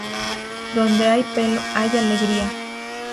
Donde hay pelo, hay alegría